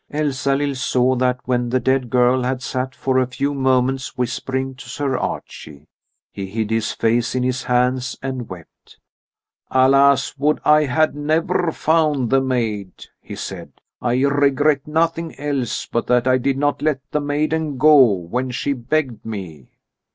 Elsalill saw that when the dead girl had sat for a few moments whispering to Sir Archie, he hid his face in his hands and wept. "Alas, would I had never found the maid!" he said. "I regret nothing else but that I did not let the maiden go when she begged me."